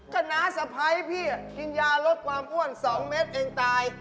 ก็น้าสะพ้ายพี่กินยาลดความอ้วน๒เมตรเองตาย